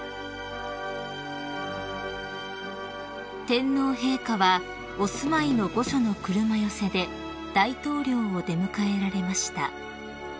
［天皇陛下はお住まいの御所の車寄せで大統領を出迎えられました］